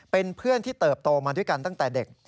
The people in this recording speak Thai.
เป็นเพื่อนที่เติบโตมาด้วยกันตั้งแต่เด็ก